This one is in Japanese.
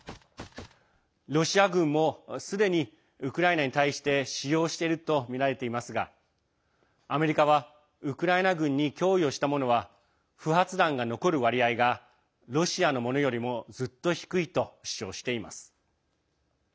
ロシア軍も、すでにウクライナに対して使用しているとみられていますがアメリカはウクライナ軍に供与したものは不発弾が残る割合がロシアのものよりもずっと低いと主張しています。